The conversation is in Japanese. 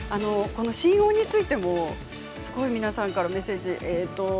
この「心音」についてもすごい皆さんからメッセージが。